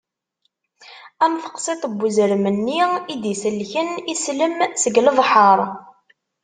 Am teqsiṭ n wezrem-nni i d-isellken islem seg lebḥer.